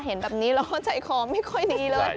เห็นแบบนี้แล้วก็ใจคอไม่ค่อยดีเลย